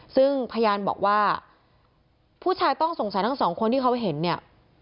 ซึ่งพยานบอกว่าผู้ชายต้องสงสัยทั้งสองคนที่เขาเห็นเนี่ย